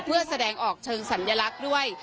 เพื่อแสดงออกเชิงสัญลักษณ์ด้วย